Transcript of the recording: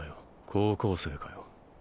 高校生かよ